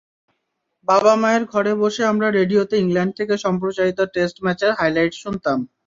বাবা-মায়ের ঘরে বসে আমরা রেডিওতে ইংল্যান্ড থেকে সম্প্রচারিত টেস্ট ম্যাচের হাইলাইটস শুনতাম।